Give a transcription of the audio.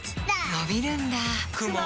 のびるんだ